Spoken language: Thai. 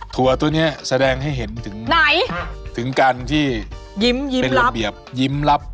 ทัวร์ตัวนี้แสดงให้เห็นถึงถึงการที่เป็นระเบียบยิ้มรับ